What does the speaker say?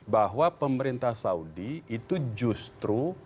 bahwa pemerintah saudi itu justru